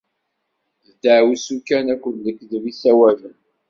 D deɛwessu kan akked lekdeb i ssawalen.